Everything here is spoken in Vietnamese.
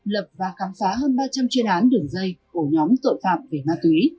lập và khám phá hơn ba trăm linh chuyên án đường dây ổ nhóm tội phạm về ma túy